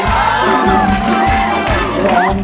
ได้ครับ